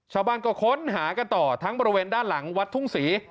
ชาวบ้านก็ค้นหากันต่อทั้งบริเวณด้านหลังวัดทุ่งศรี